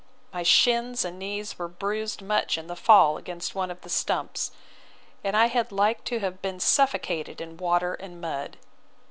My shins and knees were bruised much in the fall against one of the stumps; and I had like to have been suffocated in water and mud.